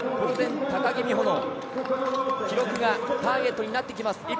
高木美帆の記録がターゲットになってきます。